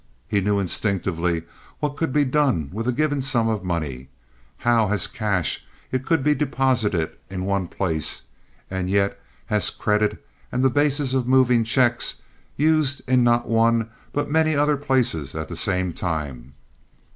He knew instinctively what could be done with a given sum of money—how as cash it could be deposited in one place, and yet as credit and the basis of moving checks, used in not one but many other places at the same time.